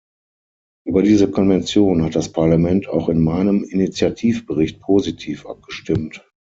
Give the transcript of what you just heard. Über diese Konvention hat das Parlament auch in meinem Initiativbericht positiv abgestimmt.